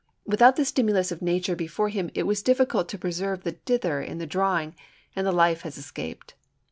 Without the stimulus of nature before him it was difficult to preserve the "dither" in the drawing, and the life has escaped.